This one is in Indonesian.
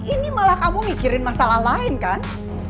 ini malah kamu mikirin masalah lain kan